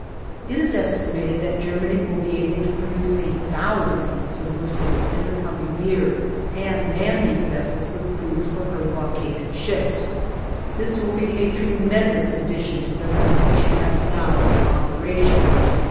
It is estimated that Germany will be able to produce a thousand submersibles in the coming year and man these vessels with crews from her blockaded ships. This will be a tremendous addition to the number she has now in operation.